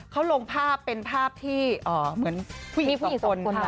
เขาลงภาพเป็นภาพที่เหมือนผู้หญิงคน